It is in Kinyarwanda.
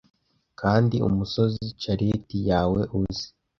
Kandi umusozi-chalet yawe uze,